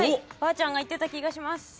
ばあちゃんが言ってた気がします。